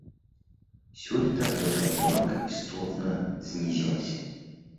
Сёлета гэтая планка істотна знізілася.